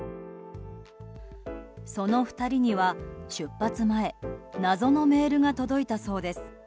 その２人には出発前謎のメールが届いたようです。